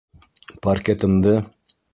Паркетымды!